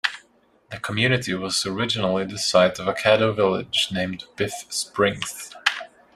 The community was originally the site of a Caddo village named Biff Springs.